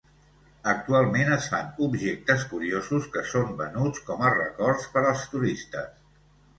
Actualment es fan objectes curiosos que són venuts com a records per als turistes.